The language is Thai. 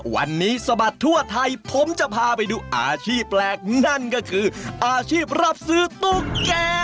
วันนี้สะบัดทั่วไทยผมจะพาไปดูอาชีพแปลกนั่นก็คืออาชีพรับซื้อตุ๊กแก่